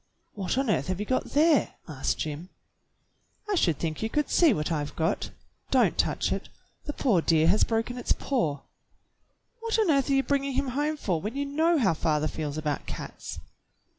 "What on earth have you got there.^" asked Jim. "I should think you could see what I've got. Don't touch it; the poor dear has broken its paw." "What on earth are you bringing him home for when you know how father feels about cats?"